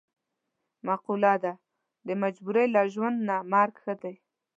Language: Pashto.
معقوله ده: د مجبورۍ له ژوند نه مرګ ښه دی.